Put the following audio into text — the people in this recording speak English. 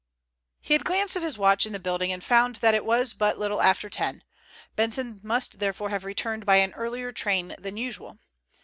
He had glanced at his watch in the building and found that it was but little after ten. Benson must therefore have returned by an earlier train than usual.